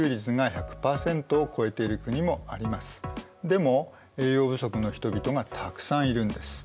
でも栄養不足の人々がたくさんいるんです。